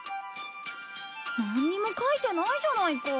なんにも書いてないじゃないか。